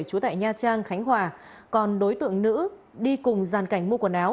chú tại nha trang khánh hòa còn đối tượng nữ đi cùng giàn cảnh mua quần áo